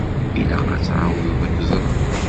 Ilaq ad εawdeɣ ad k-ẓreɣ.